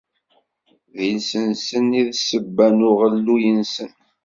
D iles-nsen i d ssebba n uɣelluy-nsen.